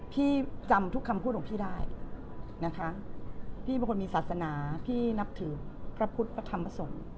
พี่จำทุกคำพูดของพี่ได้นะคะพี่เป็นคนมีศาสนาพี่นับถือพระพุทธพระธรรมสงฆ์